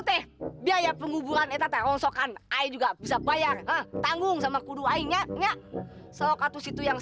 teh biaya penguburan etat rongsokan i juga bisa bayar tanggung sama kudu i nya sokatu situ yang